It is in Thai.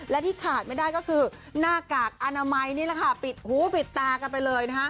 และที่ขาดไม่ได้ก็คือหน้ากากอนามัยนี่แหละค่ะปิดหูปิดตากันไปเลย